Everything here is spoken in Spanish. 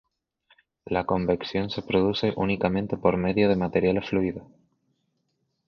La convección se produce únicamente por medio de materiales fluidos.